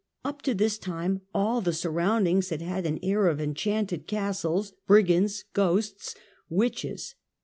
Up to this time all the surroundings had had an air of enchanted castles, brigands, ghosts, witches.